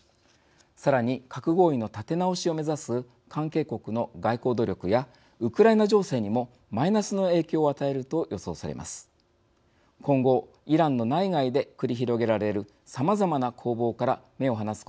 さらに、核合意の立て直しを目指す関係国の外交努力やウクライナ情勢にもマイナスの影響を与えると予想されます。